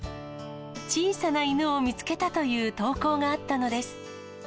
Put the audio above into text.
小さな犬を見つけたという投稿があったのです。